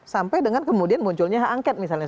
sampai dengan kemudian munculnya hak angket misalnya